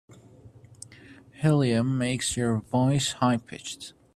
Helium makes your voice high pitched.